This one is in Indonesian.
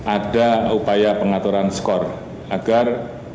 ada upaya pengaturan skor agar